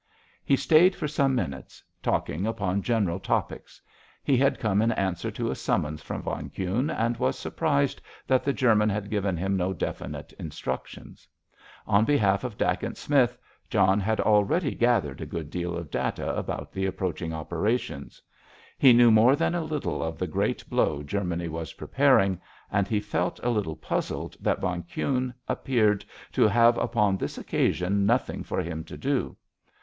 He stayed for some minutes talking upon general topics. He had come in answer to a summons from von Kuhne, and was surprised that the German had given him no definite instructions. On behalf of Dacent Smith, John had already gathered a good deal of data about the approaching operations. He knew more than a little of the great blow Germany was preparing, and he felt a little puzzled that von Kuhne appeared to have upon this occasion nothing for him to do.